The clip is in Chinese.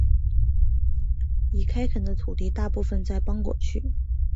已开垦的土地大部分在邦果区。